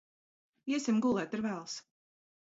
Iesim gulēt, ir vēls!